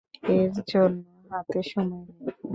এর জন্য হাতে সময় নেই।